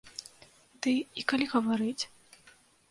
Ды, і калі гаварыць?